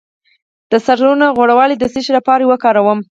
د سرسونو غوړي د څه لپاره وکاروم؟